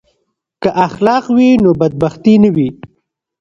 که اخلاق وي نو بدبختي نه وي.